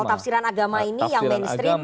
tafsiran agama ini yang mainstream